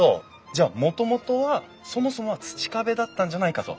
じゃあもともとはそもそもは土壁だったんじゃないかと。